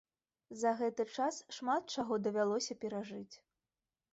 За гэты час шмат чаго давялося перажыць.